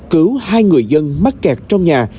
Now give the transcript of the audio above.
cứu hai người dân mắc kẹt trong nhà